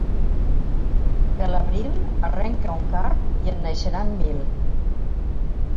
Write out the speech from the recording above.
Per l'abril arrenca un card i en naixeran mil.